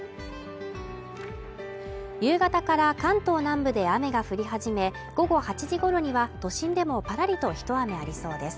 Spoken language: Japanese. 夕方から関東南部で雨が降り始め、午後８時ごろには都心でもぱらりと一雨ありそうです。